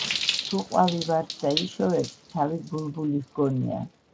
თუ ყვავი ვარდსა იშოვებს თავი ბულბული ჰგონია.